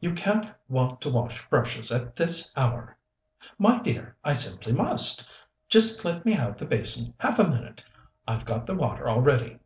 "You can't want to wash brushes at this hour!" "My dear, I simply must. Just let me have the basin half a minute; I've got the water all ready."